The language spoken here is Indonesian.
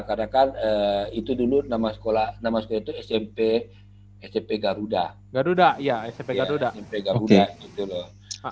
karena kan itu dulu nama sekolah nama sekolah itu smp smp garuda garuda ya smp garuda itu loh